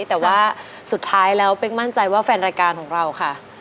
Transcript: แต่ว่าสุดท้ายแล้วเป๊กมั่นใจว่าแฟนรายการของเราค่ะ